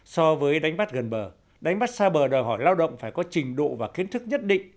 so với đánh bắt gần bờ đánh bắt xa bờ đòi hỏi lao động phải có trình độ và kiến thức nhất định